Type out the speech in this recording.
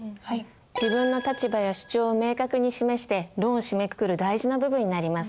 自分の立場や主張を明確に示して論を締めくくる大事な部分になります。